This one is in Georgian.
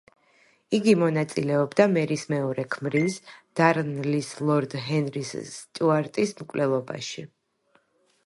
იგი მონაწილეობდა მერის მეორე ქმრის, დარნლის ლორდ ჰენრი სტიუარტის მკვლელობაში.